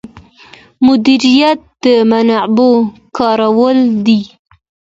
مدیریت د منابعو کارول دي